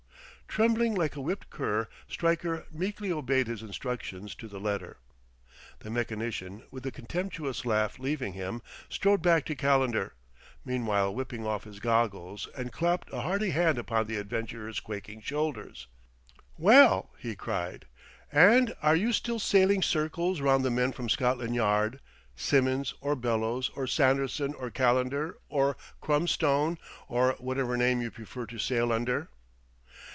Trembling like a whipped cur, Stryker meekly obeyed his instructions to the letter. The mechanician, with a contemptuous laugh leaving him, strode back to Calendar, meanwhile whipping off his goggles; and clapped a hearty hand upon the adventurer's quaking shoulders. "Well!" he cried. "And are you still sailing circles round the men from Scotland Yard, Simmons, or Bellows, or Sanderson, or Calendar, or Crumbstone, or whatever name you prefer to sail under?"